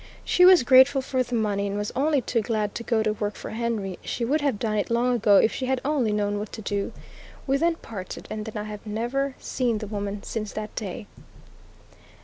She was grateful for the money, and was only too glad to go to work for Henry; she would have done it long ago if she had only known what to do. We then parted, and I have never seen the woman, since that day.